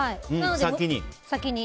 先に。